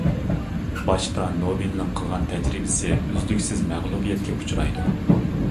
باشتا نوبېلنىڭ قىلغان تەجرىبىسى ئۈزلۈكسىز مەغلۇبىيەتكە ئۇچرايدۇ.